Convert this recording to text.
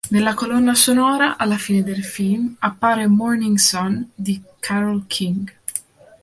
Nella colonna sonora, alla fine del film, appare "Morning Sun" di Carole King.